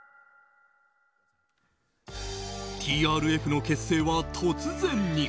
ＴＲＦの結成は突然に。